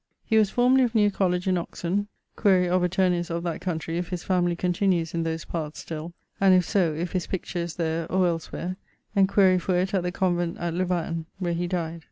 He was formerly of New Colledge in Oxon. ☞ Quaere of attorneys of that countrey if his familie continues in those parts still: and if so, if his picture is there or elswhere; and quaere for it at the Convent at Lovaine where he died.